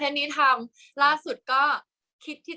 กากตัวทำอะไรบ้างอยู่ตรงนี้คนเดียว